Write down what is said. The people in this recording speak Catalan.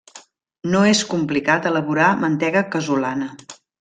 No és complicat elaborar mantega casolana.